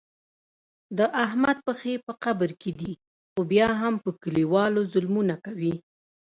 د احمد پښې په قبر کې دي خو بیا هم په کلیوالو ظلمونه کوي.